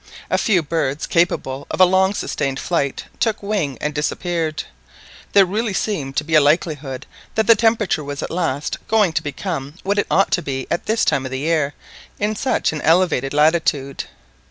A few birds capable of a long sustained flight took wing and disappeared. There really seemed to be a likelihood that the temperature was at last going to become what it ought to be at this time of the year in such an elevated latitude.